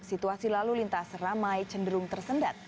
situasi lalu lintas ramai cenderung tersendat